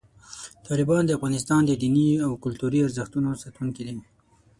طالبان د افغانستان د دیني او کلتوري ارزښتونو ساتونکي دي.